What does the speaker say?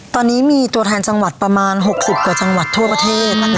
ตอนนี้มีตัวแทนจังหวัดประมาณ๖๐กว่าจังหวัดทั่วประเทศ